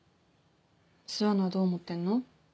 諏訪野はどう思ってんの？